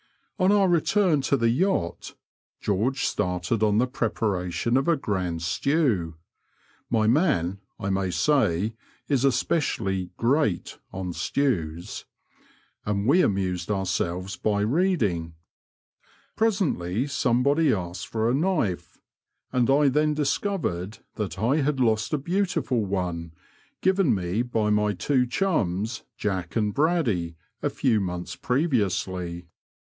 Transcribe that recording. On our return to the yacht Oeorge started on the preparation of a grand stew (my man» Digitized by VjOOQIC 82 BROADS AND RIVEES OP NORFOLK AND SUFFOLK. I may say, is especially ''great" on stews), and we amused ourselves by reading. Presently somebody asked for a knife, and I then discovered that I had lost a beautiful one, given me by my two chums Jack and Braddy a few months pre viously.